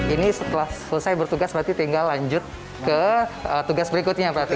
ini setelah selesai bertugas berarti tinggal lanjut ke tugas berikutnya berarti